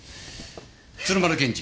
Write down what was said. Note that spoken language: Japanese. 鶴丸検事。